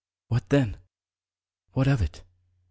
What then? What of it?